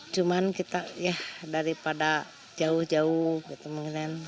cuman kita ya daripada jauh jauh gitu mungkin